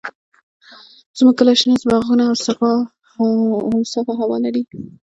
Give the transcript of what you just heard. زموږ کلی شنه باغونه او صافه هوا لري.